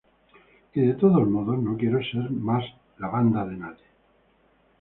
Y de todos modos, no quiero ser más la banda de nadie".